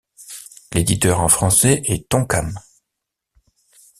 L'éditeur en français est Tonkam.